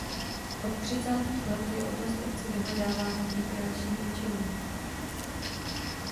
Od třicátých let je oblast obce vyhledávána k rekreačním účelům.